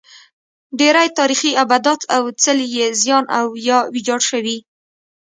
ډېری تاریخي ابدات او څلي یې زیان او یا ویجاړ شوي.